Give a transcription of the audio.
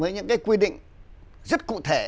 với những cái quy định rất cụ thể